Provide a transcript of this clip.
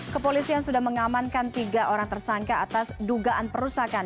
kepolisian sudah mengamankan tiga orang tersangka atas dugaan perusakan